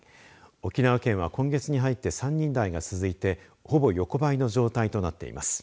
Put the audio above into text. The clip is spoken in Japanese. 沖縄県は今月に入って３人台が続いてほぼ横ばいの状態となっています。